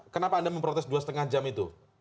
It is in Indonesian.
kenapa anda memprotes dua lima jam itu